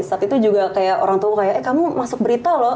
saat itu juga kayak orang tua kayak eh kamu masuk berita loh